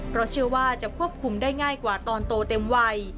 เพราะเชื่อว่าจะควบคุมได้ง่ายกว่าตอนโตเต็มวัย